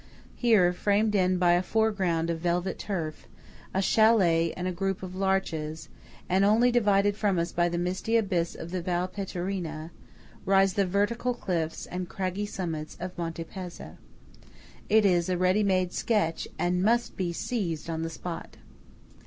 Here–framed in by a foreground of velvet turf, a châlet and a group of larches, and only divided from us by the misty abyss of the Val Pettorina–rise the vertical cliffs and craggy summits of Monte Pezza. It is a ready made sketch, and must be seized on the spot.